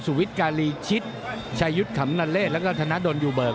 สุวิทย์กาลีชิตชายุทธิ์ขำนาเลชและธนดลยูเบิก